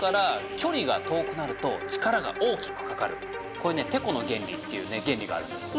こういうねてこの原理っていうね原理があるんですよ。